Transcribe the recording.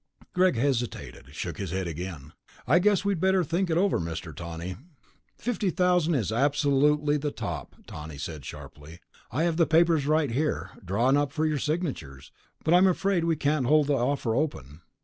Greg hesitated, shook his head again. "I guess we'd better think it over, Mr. Tawney." "Fifty thousand is absolutely the top," Tawney said sharply. "I have the papers right here, drawn up for your signatures, but I'm afraid we can't hold the offer open."